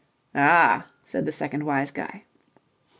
"Ah!" said the second wise guy.